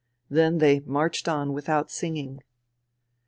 Then they marched on without singing.